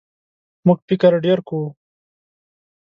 موږ فکر ډېر کوو.